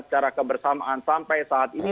secara kebersamaan sampai saat ini